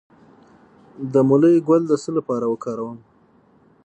د مولی ګل د څه لپاره وکاروم؟